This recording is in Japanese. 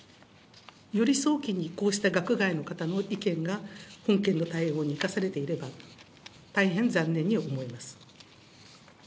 より早期にこうした学外の方の意見が本件の対応に生かされていれば、大変残念に思います。